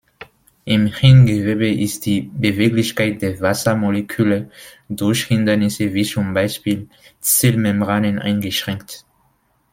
Im Hirngewebe ist die Beweglichkeit der Wasser-Moleküle durch Hindernisse wie zum Beispiel Zellmembranen eingeschränkt.